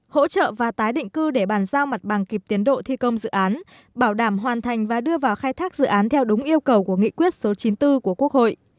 hỗ trợ và tái định cư để bàn giao mặt bằng kịp tiến độ thi công dự án bảo đảm hoàn thành và đưa vào khai thác dự án theo đúng yêu cầu của nghị quyết số chín mươi bốn của quốc hội